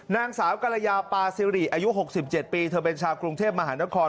นางสาวกรยาปาซิริอายุ๖๗ปีเธอเป็นชาวกรุงเทพมหานคร